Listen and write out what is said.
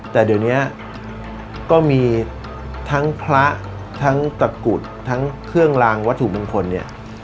แต่เดี๋ยวนี้ก็มีทั้งพระทั้งตะกรุดทั้งเครื่องลางวัตถุมงคลเนี่ย